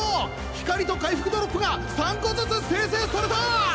光と回復ドロップが３個ずつ生成された！